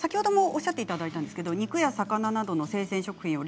おっしゃっていただいたんですが肉や魚などの生鮮食品を